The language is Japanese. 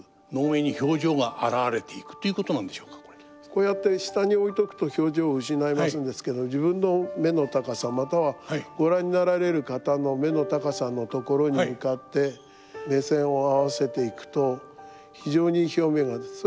こうやって下に置いとくと表情失いますんですけど自分の目の高さまたはご覧になられる方の目の高さのところに向かって目線を合わせていくと非常に表面なんです。